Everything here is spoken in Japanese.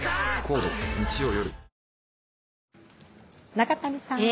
中谷さん。